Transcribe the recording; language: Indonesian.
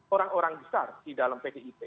orang orang besar di dalam pdip